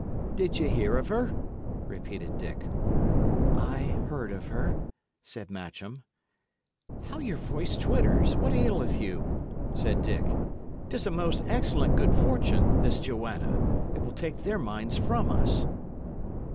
"Did ye hear of her?" repeated Dick. "I heard of her," said Matcham. "How your voice twitters! What aileth you?" said Dick. "'Tis a most excellent good fortune, this Joanna; it will take their minds from us."